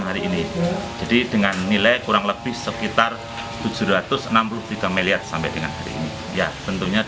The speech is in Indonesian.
kami berdua kami berdua kita berdua kita berdua kita berdua